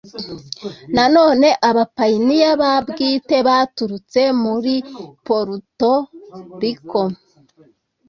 nanone abapayiniya ba bwite baturutse muri poruto riko